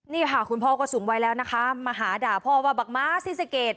นี่ค่ะคุณพ่อก็สูงวัยแล้วนะคะมาหาด่าพ่อว่าบักม้าศรีสะเกด